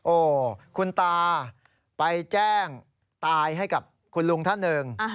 โอ้คุณตาไปแจ้งตายให้กับคุณลุงท่านหนึ่ง